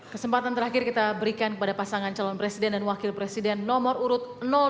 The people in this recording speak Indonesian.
kesempatan terakhir kita berikan kepada pasangan calon presiden dan wakil presiden nomor urut dua